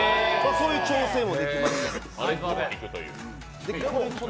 そういう調整もできます。